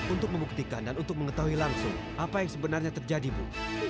untuk membuktikan dan untuk mengetahui langsung apa yang sebenarnya terjadi bu